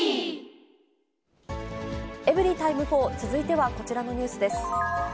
エブリィタイム４、続いてはこちらのニュースです。